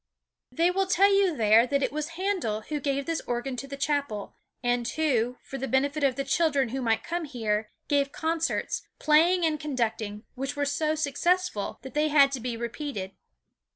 They will tell you there that it was Handel who gave this organ to the chapel, and who, for the benefit of the children who might come here, gave concerts, playing and conducting, which were so successful that they had to be repeated.